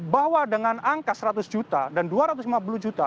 bahwa dengan angka seratus juta dan dua ratus lima puluh juta